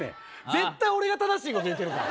絶対俺が正しいこと言うてるから。